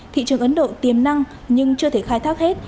thị trường ấn độ tiềm năng nhưng chưa thể khai thác hết